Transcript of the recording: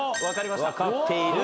分かりました。